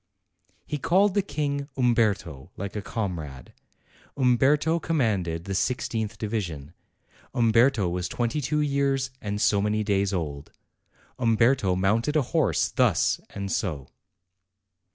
He called the King "Umberto," like a comrade. Umberto commanded the i6th division; Umberto was twenty two years and so many days old; Umberto mounted a horse thus and o.